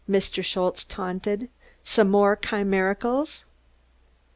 Mr. Schultze taunted. "Some more chimericals?"